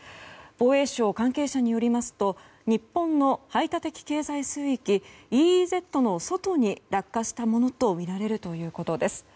防衛省関係者によりますと日本の排他的経済水域・ＥＥＺの外に落下したものとみられるということです。